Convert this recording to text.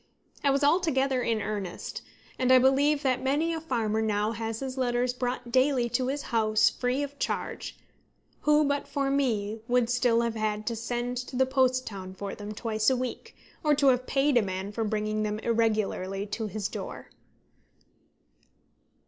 I was altogether in earnest; and I believe that many a farmer now has his letters brought daily to his house free of charge, who but for me would still have had to send to the post town for them twice a week, or to have paid a man for bringing them irregularly to his door.